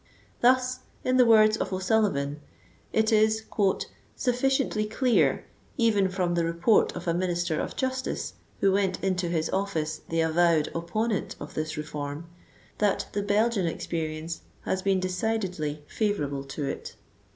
Thus, in the words of O'Sullivan, it is "sufficiently clear, even from the report of a Minister of Justice who went into his office the avowed opponent of this reform, that the Belgian experience has been decidedly favorable to it."